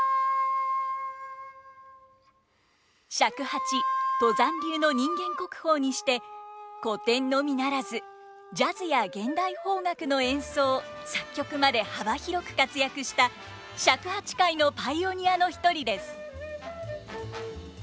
尺八都山流の人間国宝にして古典のみならずジャズや現代邦楽の演奏作曲まで幅広く活躍した尺八界のパイオニアの一人です。